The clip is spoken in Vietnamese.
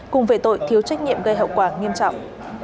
cùng về tội thiếu trách nhiệm gây hậu quả nghiêm trọng